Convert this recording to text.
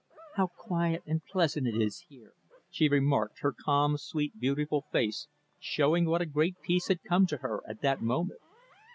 "How quiet and pleasant it is here," she remarked, her calm, sweet, beautiful face showing what a great peace had come to her at that moment.